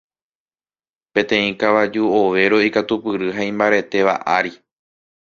Peteĩ kavaju ovéro ikatupyry ha imbaretéva ári.